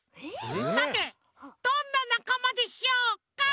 さてどんななかまでしょうか？